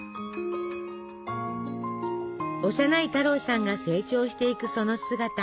幼い太郎さんが成長していくその姿。